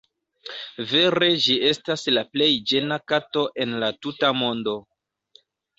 Vere ĝi estas la plej ĝena kato en la tuta mondo.